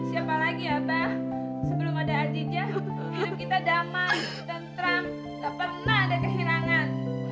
siapa lagi abah sebelum ada adhijah hidup kita damai tentram tak pernah ada kehilangan